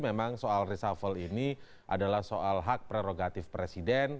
memang soal reshuffle ini adalah soal hak prerogatif presiden